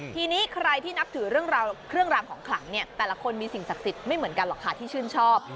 ทีนี้ใครที่นับถือเรื่องราวเครื่องรางของขลังเนี่ยแต่ละคนมีสิ่งศักดิ์สิทธิ์ไม่เหมือนกันหรอกค่ะที่ชื่นชอบ